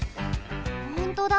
ほんとだ。